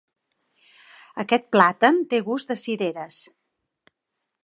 Aquest plàtan té gust de cireres.